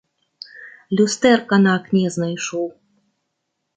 Люстэрка на акне знайшоў.